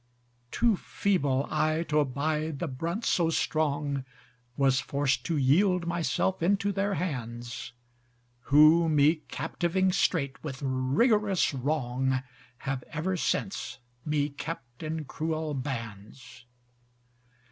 Too feeble I t'abide the brunt so strong, Was forced to yield myself into their hands: Who me captiving straight with rigorous wrong, Have ever since me kept in cruel bands.